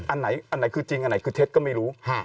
อันไหนอันไหนคือจริงอันไหนคือเท็จก็ไม่รู้